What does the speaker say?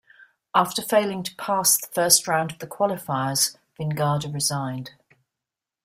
After failing to pass the first round of the qualifiers, Vingada resigned.